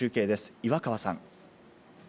岩川さん。